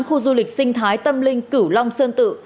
khu du lịch sinh thái tâm linh cửu long sơn tự